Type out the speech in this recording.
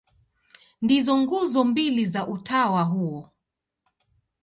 Ndizo nguzo mbili za utawa huo.